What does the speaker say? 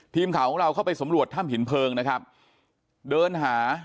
ทีมข่าวของเราเข้าไปสำรวจถ้ำหินเพลิงนะครับเดินหา